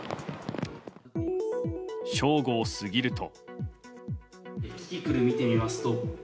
正午を過ぎると。